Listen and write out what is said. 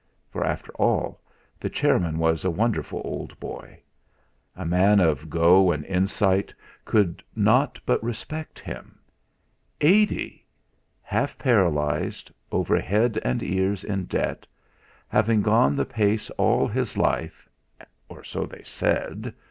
For after all, the chairman was a wonderful old boy. A man of go and insight could not but respect him. Eighty! Half paralysed, over head and ears in debt, having gone the pace all his life or so they said!